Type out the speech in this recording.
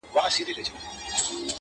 o خو دده زامي له يخه څخه رېږدي؛